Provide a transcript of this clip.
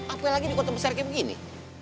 apalagi di kota besar kayak begini